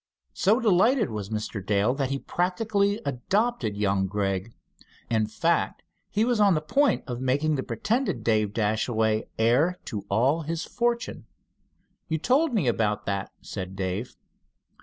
So delighted was Mr. Dale, that he practically adopted young Gregg. In fact, he was on the point of making the pretended Dave Dashaway heir to all his fortune." "You told me about that," said Dave.